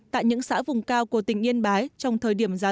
tại những xã vùng cao của tỉnh yên bái trong thời điểm giá